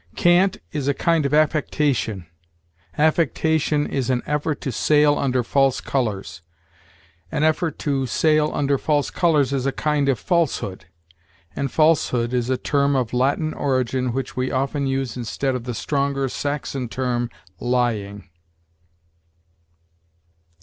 Cant is a kind of affectation; affectation is an effort to sail under false colors; an effort to sail under false colors is a kind of falsehood; and falsehood is a term of Latin origin which we often use instead of the stronger Saxon term LYING!